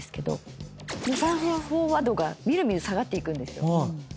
酸素飽和度が見る見る下がっていくんですよ。